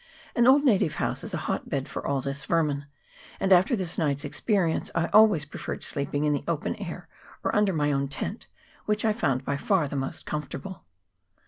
An old native house is a hotbed for all this vermin, and after this night's VOL. i. L 146 FOREST SCENERY. [PART ! experience I always preferred sleeping in the open air, or under my own tent, which I found by far the most comfortable.